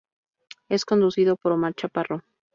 Es conducido por Omar Chaparro.